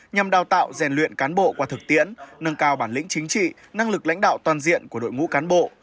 nhằm đào tạo rèn luyện cán bộ qua thực tiễn nâng cao bản lĩnh chính trị năng lực lãnh đạo toàn diện của đội ngũ cán bộ